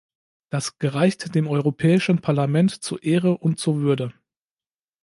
Das gereicht dem Europäischen Parlament zur Ehre und zur Würde.